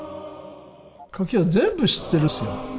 カキは全部知ってるんですよ。